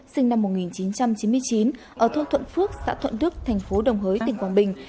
sinh năm một nghìn chín trăm chín mươi chín ở thôn thuận phước xã thuận đức thành phố đồng hới tỉnh quảng bình